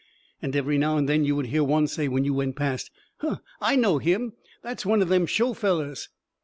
And every now and then you would hear one say when you went past: "Huh, I know him! That's one of them show fellers!"